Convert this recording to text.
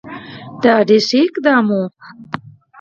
ډېر ښه اقدام وو.